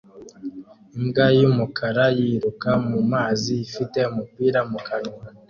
Imbwa y'umukara yiruka mu mazi ifite umupira mu kanwa